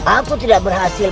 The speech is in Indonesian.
aku tidak berhasil